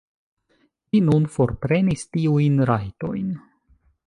Vi nun forprenis tiujn rajtojn.